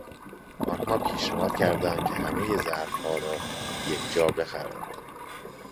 آنها پیشنهاد کردهاند که همهی ظرفها را یکجا بخرند.